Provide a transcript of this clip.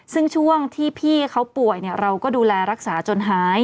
ซึ่งช่วงที่พี่เขาป่วยเราก็ดูแลรักษาจนหาย